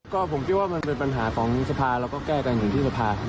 ก็ผมคิดว่ามันเป็นปัญหาของสภาเราก็แก้กันอยู่ที่สภา